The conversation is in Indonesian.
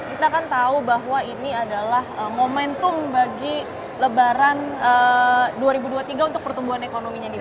kita kan tahu bahwa ini adalah momentum bagi lebaran dua ribu dua puluh tiga untuk pertumbuhan ekonominya nih